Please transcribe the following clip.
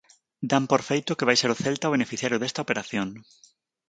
Dan por feito que vai ser o Celta o beneficiario desta operación.